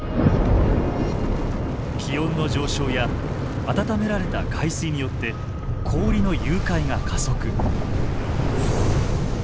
気温の上昇や温められた海水によって氷の融解が加速。